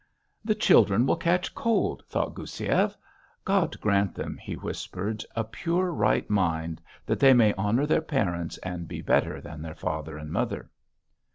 "The children will catch cold ..." thought Goussiev. "God grant them," he whispered, "a pure right mind that they may honour their parents and be better than their father and mother...."